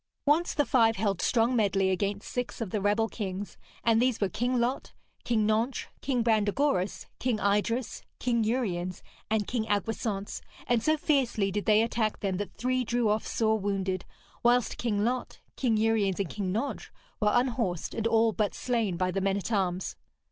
Once the five held strong medley against six of the rebel kings, and these were King Lot, King Nentres, King Brandegoris, King Idres, King Uriens, and King Agwisance; and so fiercely did they attack them that three drew off sore wounded, whilst King Lot, King Uriens and King Nentres were unhorsed, and all but slain by the men at arms.